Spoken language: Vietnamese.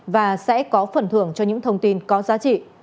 và sẽ có phần thưởng cho những thông tin có giá trị